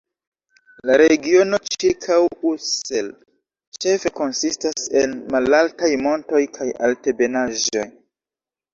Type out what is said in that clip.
La regiono ĉirkaŭ Ussel ĉefe konsistas el malaltaj montoj kaj altebenaĵoj.